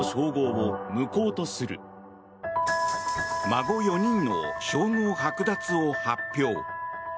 孫４人の称号はく奪を発表。